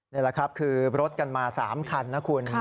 นี่แหละครับคือรถกันมา๓คันนะคุณ